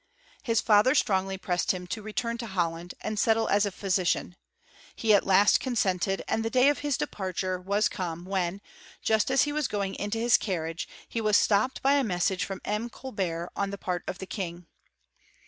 His father strongly pressed him to return to Holland and settle as a physician : he at? last consented, and the day of his departure war ' come, when, just as he was going into his carriage, hei.' was stopped by a message from M. Colbert on the part of the king.